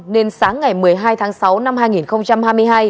nên sáng ngày một mươi hai tháng sáu năm hai nghìn hai mươi hai